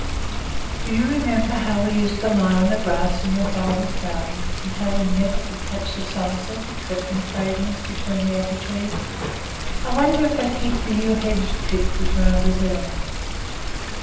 "Do you remember how we used to lie on the grass in your father's garden, and how we never could catch the sunset except in fragments between the abbey trees! I wonder if they keep the yew hedge clipped as round as ever."